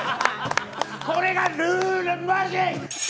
これがルールマジック！！